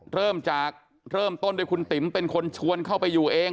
เริ่มจากเริ่มต้นด้วยคุณติ๋มเป็นคนชวนเข้าไปอยู่เอง